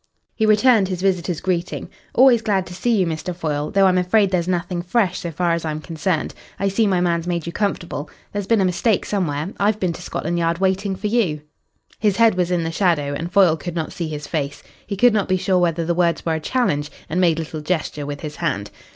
He returned his visitor's greeting. "Always glad to see you, Mr. Foyle, though I'm afraid there's nothing fresh so far as I am concerned. I see my man's made you comfortable. There's been a mistake somewhere. I've been to Scotland Yard waiting for you." His head was in the shadow and Foyle could not see his face. He could not be sure whether the words were a challenge, and made a little gesture with his hand.